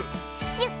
シュッ！